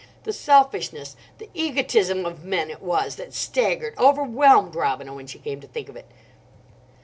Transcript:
The selfishness, the egotism of men it was that staggered, overwhelmed Robina, when she came to think of it.